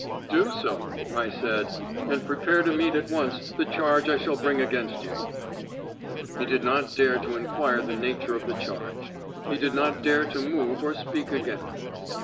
"Do so," I said, "and prepare to meet at once the charge I shall bring against you." He did not dare to inquire the nature of the charge. He did not dare to move or speak again.